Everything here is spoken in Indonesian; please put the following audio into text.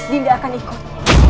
binda akan ikut